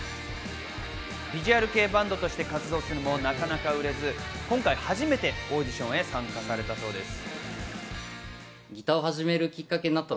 ビジュアル系バンドとして活動するもなかなか売れず今回初めてオーディションへ参加されたそうです。